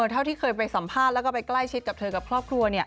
เท่าที่เคยไปสัมภาษณ์แล้วก็ไปใกล้ชิดกับเธอกับครอบครัว